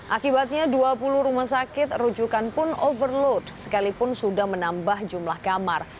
akibatnya dua puluh rumah sakit rujukan pun overload sekalipun sudah menambah jumlah kamar